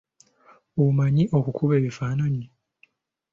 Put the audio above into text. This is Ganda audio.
Omanyi okukuba ebifaananyi?